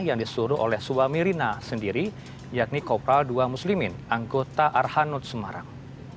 yang disuruh oleh suami rina sendiri yakni kopral dua muslimin anggota arahanut sumarang